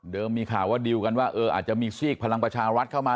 มีข่าวว่าดิวกันว่าอาจจะมีซีกพลังประชารัฐเข้ามา